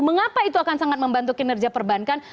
mengapa itu akan sangat membantu kinerja perbankan